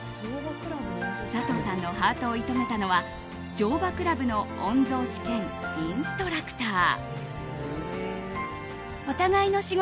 佐藤さんのハートを射止めたのは乗馬クラブの御曹司兼インストラクター。